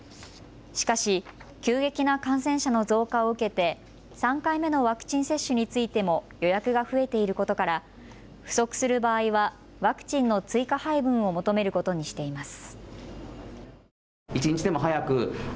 しかし急激な感染者の増加を受けて３回目のワクチン接種についても予約が増えていることから不足する場合はワクチンの追加配分を求めることにしています。